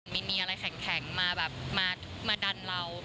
ไม่มีอะไรแข็งมาดันเรา